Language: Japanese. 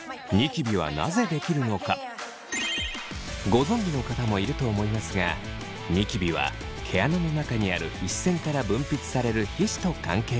ご存じの方もいると思いますがニキビは毛穴の中にある皮脂腺から分泌される皮脂と関係があります。